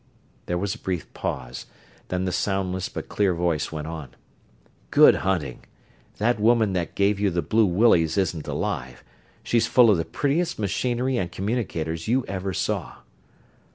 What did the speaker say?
There was a brief pause, then the soundless, but clear voice went on: "Good hunting! That woman that gave you the blue willies isn't alive she's full of the prettiest machinery and communicators you ever saw!"